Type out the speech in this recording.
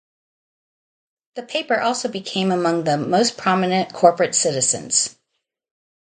The paper also became among the most prominent corporate citizens.